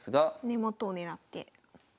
根元を狙って。